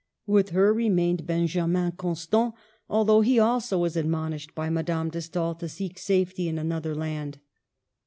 With her remained also Benjamin Constant, although he also was admon ished by Madame de Stael to seek safety in another land.